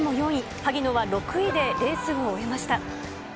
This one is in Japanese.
萩野は６位でレースを終えました。